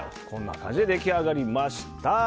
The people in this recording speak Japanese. こんな感じで出来上がりました。